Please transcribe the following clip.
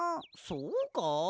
そうか？